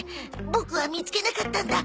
ボクは見つけなかったんだ。